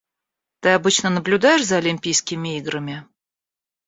Ты обычно наблюдаешь за Олимпийскими играми?